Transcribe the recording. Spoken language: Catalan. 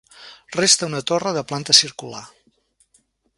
Resta una torre de planta circular.